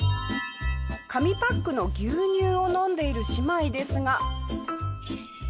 紙パックの牛乳を飲んでいる姉妹ですが。